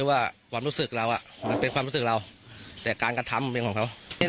โอ้เยอะเหมือนกันเนอะ